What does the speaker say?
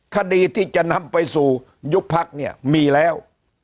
คดีที่จะนำไปสู่ยุบพักเนี่ยมีแล้ว